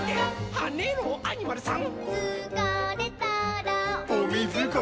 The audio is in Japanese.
はねろアニマルさん！」